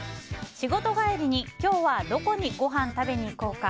仕事帰りに今日はどこにごはん食べに行こうか？